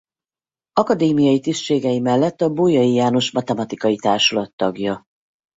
Akadémiai tisztségei mellett a Bolyai János Matematikai Társulat tagja.